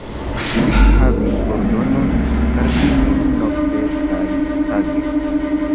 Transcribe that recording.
Li havis ordonon, gardi nin nokte kaj tage.